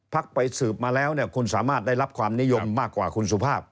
ไปสืบมาแล้วเนี่ยคุณสามารถได้รับความนิยมมากกว่าคุณสุภาพ